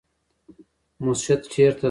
مسجد چیرته دی؟